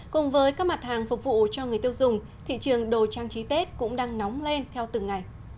cùng với các mặt hàng phục vụ cho người tiêu dùng thị trường đồ trang trí tết cũng đang nóng lên theo từng ngày